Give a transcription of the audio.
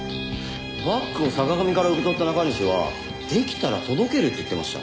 バッグを坂上から受け取った中西は「できたら届ける」って言ってました。